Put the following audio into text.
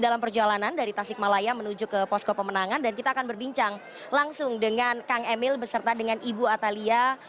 dan kita akan berbincang langsung dengan kang emil beserta dengan ibu atalia